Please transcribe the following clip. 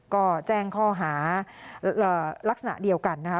ก็แจ้งข้อหาลักษณะเดียวกันนะคะ